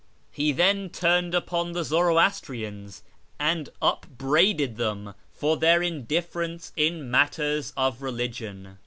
He then turned upon the Zoroastrians and upbraided them for their indifference in matters of religion.